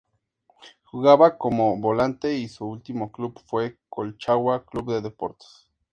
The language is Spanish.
Jugaba como volante y su último club fue Colchagua Club de Deportes.